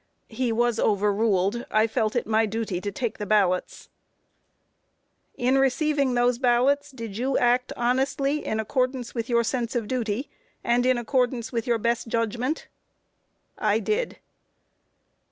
A. He was overruled; I felt it my duty to take the ballots. Q. In receiving those ballots did you act honestly in accordance with your sense of duty, and in accordance with your best judgment? A. I did.